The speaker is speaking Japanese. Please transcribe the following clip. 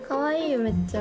めっちゃ。